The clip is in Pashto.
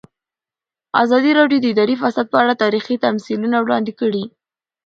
ازادي راډیو د اداري فساد په اړه تاریخي تمثیلونه وړاندې کړي.